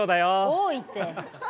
多いって。